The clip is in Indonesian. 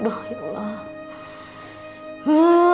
aduh ya allah